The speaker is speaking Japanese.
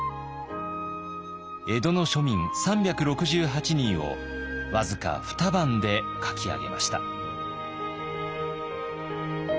江戸の庶民３６８人を僅か二晩で描き上げました。